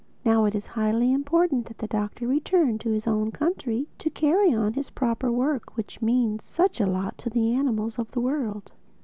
Now it is highly important that the Doctor return to his own country to carry on his proper work which means such a lot to the animals of the world.